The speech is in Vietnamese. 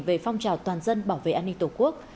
về phong trào toàn dân bảo vệ an ninh tổ quốc